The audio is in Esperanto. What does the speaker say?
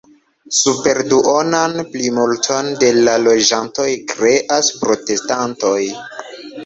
Superduonan plimulton de la loĝantoj kreas protestantoj.